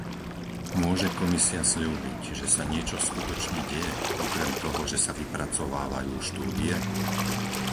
Môže Komisia sľúbiť, že sa niečo skutočne deje okrem toho, že sa vypracovávajú štúdie?